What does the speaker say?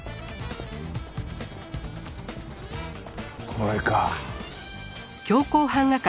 これか。